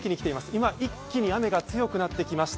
今、一気に雨が強くなってきました。